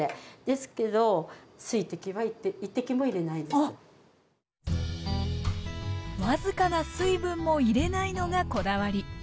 ですけど僅かな水分も入れないのがこだわり。